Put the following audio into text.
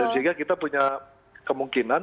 sehingga kita punya kemungkinan